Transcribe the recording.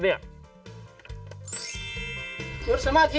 หญิงสมาธิ